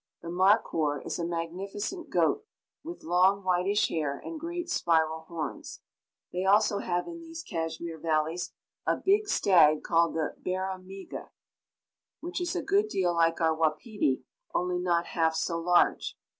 The markhoor is a magnificent goat, with long whitish hair and great spiral horns. They also have in these Cashmere valleys a big stag called the barramigh, which is a good deal like our wapiti, only not half so large.